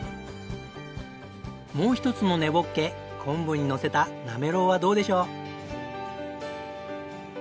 もう一つの根ボッケ昆布にのせたなめろうはどうでしょう？